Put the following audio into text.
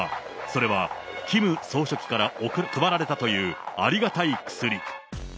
それはキム総書記から配られたというありがたい薬。